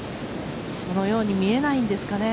そのように見えないんですかね